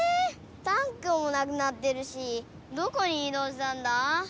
タンクもなくなってるしどこにいどうしたんだ？